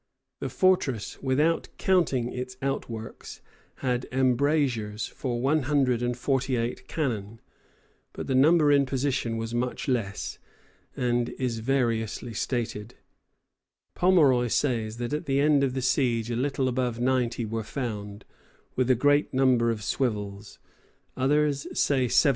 The fortress, without counting its outworks, had embrasures for one hundred and forty eight cannon; but the number in position was much less, and is variously stated. Pomeroy says that at the end of the siege a little above ninety were found, with "a great number of swivels;" others say seventy six. [Footnote: Brown, Cape Breton, 183.